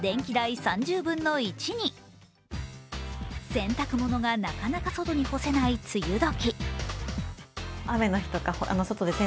洗濯物がなかなか外に干せない梅雨時。